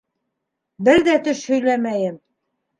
— Бер ҙә төш һөйләмәйем.